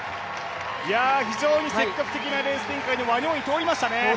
非常に積極的なレース展開でワニョンイ通りましたね。